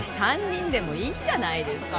３人でもいいじゃないですか